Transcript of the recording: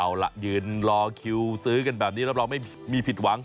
เอาล่ะยืนรอคิวซื้อกันแบบนี้รับรองไม่มีผิดหวัง